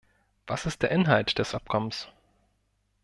Was ist der Inhalt des Abkommens?